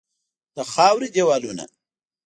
د خاوري دیوالونه